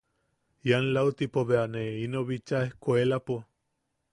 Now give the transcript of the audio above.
Ian lautipo bea ne ino bicha ejkuelapo.